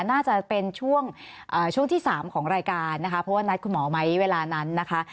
น่าจะเป็นช่วงที่๓ของรายการนะคะเพราะว่านัดคุณหมอไหมเวลานั้นนะคะ